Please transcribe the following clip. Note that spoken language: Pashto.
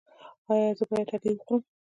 ایا زه باید هګۍ وخورم؟